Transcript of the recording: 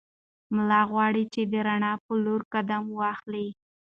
ملا غواړي چې د رڼا په لور قدم واخلي.